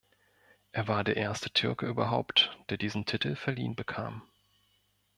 Er war der erste Türke überhaupt, der diesen Titel verliehen bekam.